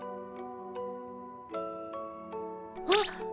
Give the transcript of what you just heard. あっ。